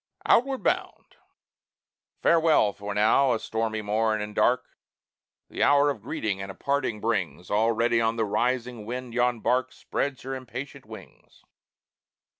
OUTWARD BOUND Farewell! for now a stormy morn and dark The hour of greeting and of parting brings; Already on the rising wind yon bark Spreads her impatient wings.